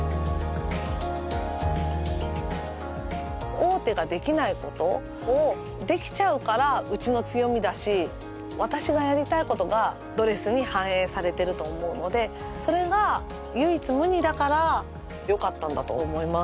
大手ができないことをできちゃうからうちの強みだし私がやりたいことがドレスに反映されてると思うのでそれが唯一無二だからよかったんだと思います